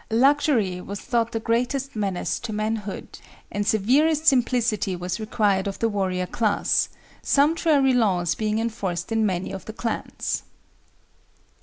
Luxury was thought the greatest menace to manhood, and severest simplicity was required of the warrior class, sumptuary laws being enforced in many of the clans.